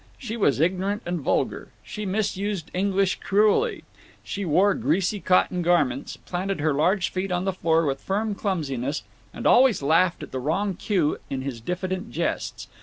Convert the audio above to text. She was ignorant and vulgar; she misused English cruelly; she wore greasy cotton garments, planted her large feet on the floor with firm clumsiness, and always laughed at the wrong cue in his diffident jests.